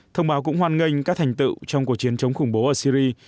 thông báo cũng hoan nghênh các thành tựu trong cuộc chiến chống khủng bố ở syri